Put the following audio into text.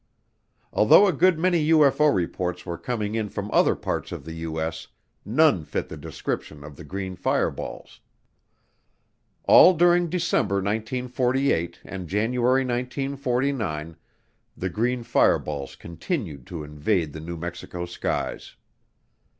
Although a good many UFO reports were coming in from other parts of the U.S., none fit the description of the green fireballs. All during December 1948 and January 1949 the green fireballs continued to invade the New Mexico skies.